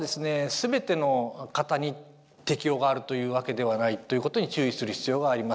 全ての方に適用があるというわけではないということに注意する必要があります。